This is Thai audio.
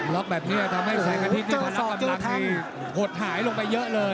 ล็อกแบบนี้ทำให้แสงอาทิตย์ที่ต้องรับกำลังหดหายลงไปเยอะเลย